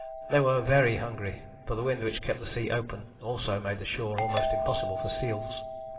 They were very hungry, for the wind which kept the sea open also made the shore almost impossible for seals.